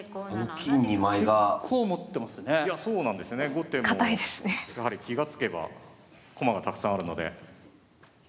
後手もやはり気が付けば駒がたくさんあるので。